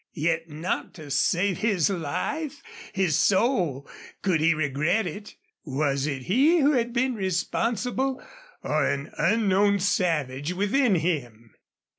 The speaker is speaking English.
Yet not to save his life, his soul, could he regret it! Was it he who had been responsible, or an unknown savage within him?